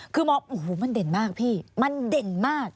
คือมองโอ้โหมันเด่นมากพี่มันเด่นมาก